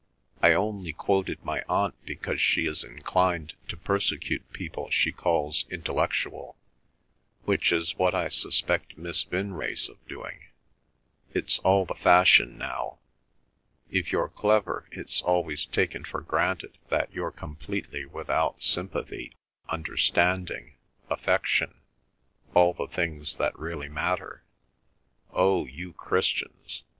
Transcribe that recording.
I only quoted my Aunt because she is inclined to persecute people she calls 'intellectual,' which is what I suspect Miss Vinrace of doing. It's all the fashion now. If you're clever it's always taken for granted that you're completely without sympathy, understanding, affection—all the things that really matter. Oh, you Christians!